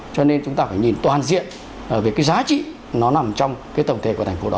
cho nên chúng ta phải nhìn toàn diện về cái giá trị nó nằm trong cái tổng thể của thành phố đó